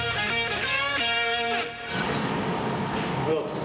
おはようございます。